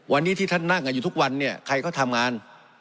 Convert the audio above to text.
วันนี้ที่ท่านนั่งอยู่ทุกวันใครก็ทำงาน